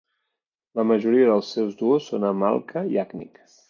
La majoria dels seus duos són amb Alka Yagnik.